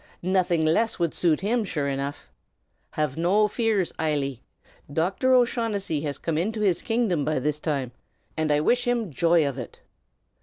Nothing less would suit him, sure enough! Have no fears, Eily, alanna! Dr. O'Shaughnessy has come into his kingdom by this time, and I wish him joy of it."